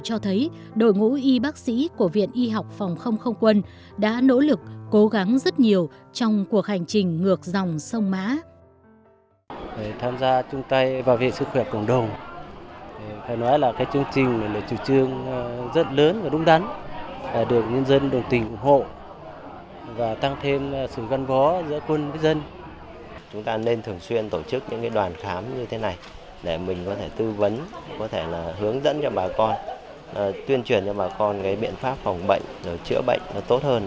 chủ cán bộ y bác sĩ viện y học phòng không không quân đã vượt núi băng ngàn ngược dòng sông mã về khám sức khỏe và cấp thuốc điều trị cho đồng bào các dân tộc của huyện mường lát